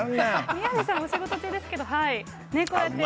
宮根さんお仕事中ですけれども、こうやって。